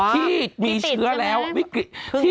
ที่มีเชื้อแล้ววิกฤต